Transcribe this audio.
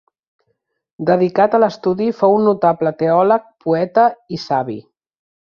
Dedicat a l'estudi fou un notable teòleg, poeta i savi.